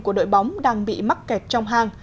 của đội bóng đang bị mắc kẹt trong hang